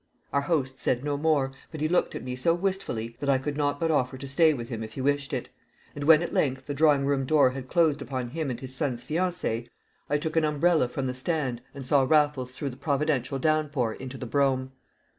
Our host said no more, but he looked at me so wistfully that I could not but offer to stay with him if he wished it; and when at length the drawing room door had closed upon him and his son's fiancee, I took an umbrella from the stand and saw Raffles through the providential downpour into the brougham.